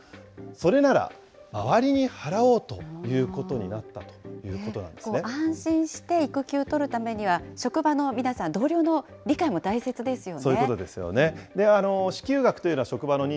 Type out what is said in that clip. それなら、周りに払おうというこ安心して育休取るためには、職場の皆さん、同僚の理解も大切ですよね。